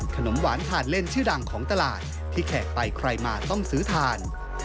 ขนมหวานทานเล่นชื่อดังของตลาดที่แขกไปใครมาต้องซื้อทาน